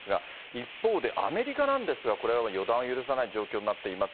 一方でアメリカなんですが、これは予断を許さない状況になっています。